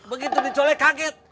begitu dicolek kaget